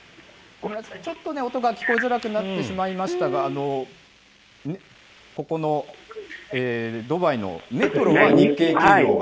ごめんなさい、ちょっと音が聞こえづらくなってしまいましたが、ここの、ドバイのネトロという日系企業が。